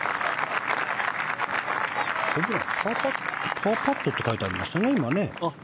パーパットって書いてありましたね、今。